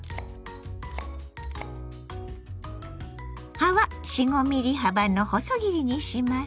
葉は４５ｍｍ幅の細切りにします。